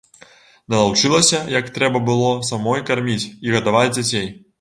Налаўчылася, як трэба было самой карміць і гадаваць дзяцей.